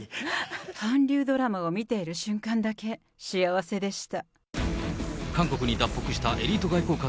韓流ドラマを見ている瞬間だけ幸せでした。